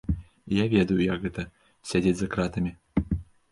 І я ведаю, як гэта, сядзець за кратамі.